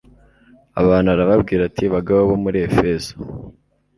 abantu arababwira ati bagabo bo muri efeso